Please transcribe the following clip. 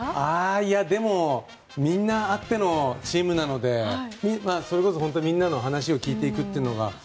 いやあ、でもみんなあってのチームなのでそれこそ本当にみんなの話を聞いていくというのが。